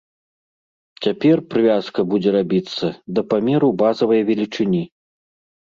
Цяпер прывязка будзе рабіцца да памеру базавай велічыні.